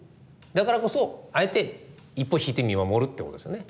だからこそあえて一歩引いて見守るってことですよね。